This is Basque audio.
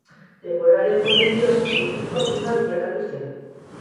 Denboraren poderioz kultuzko filma bilakatu zen.